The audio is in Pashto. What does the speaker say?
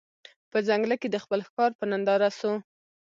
په ځنګله کي د خپل ښکار په ننداره سو